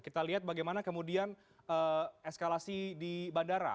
kita lihat bagaimana kemudian eskalasi di bandara